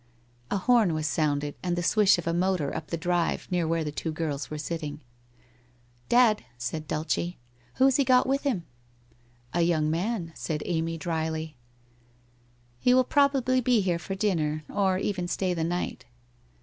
A horn was sounded, and the swish of a motor up the drive near where the two girls were sitting. ' Dad/ said Dulce. ' Who has he got with him ?' 1 A young man/ said Amy drily. 1 He will probably be here for dinner, or even stay the night.'